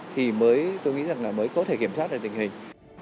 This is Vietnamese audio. thì tôi nghĩ là mới có thể kiểm soát được tình hình